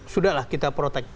sudahlah kita protect